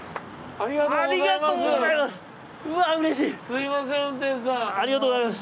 ありがとうございます。